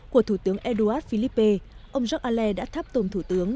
của thủ tướng édouard philippe ông jacques allais đã tháp tồn thủ tướng